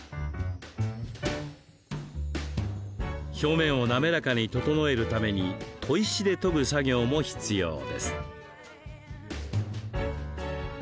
表面を滑らかに整えるために砥石で研ぐ作業も必要です。